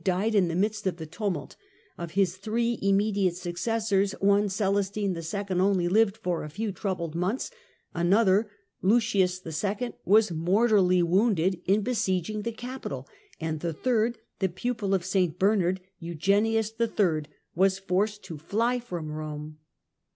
died in the midst of the tumult; of his three immediate successors, one, Celestine II., only lived for a few troubled months, another, Lucius II., was mortally wounded in besieging the Capitol, and the third, the pupil of St Bernard, Eugenius III., was forced to fly from Eome.